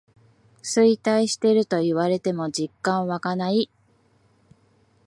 衰退してると言われても実感わかない